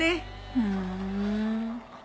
ふん。